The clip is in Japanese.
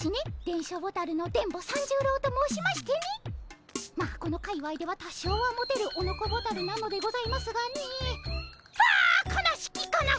電書ボタルの電ボ三十郎と申しましてねまあこの界わいでは多少はモテるオノコボタルなのでございますがねああ悲しきかな